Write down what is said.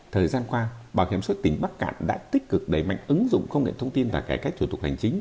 thời gian qua bảo hiểm xuất tỉnh bắc cạn đã tích cực đẩy mạnh ứng dụng công nghệ thông tin và cải cách thủ tục hành chính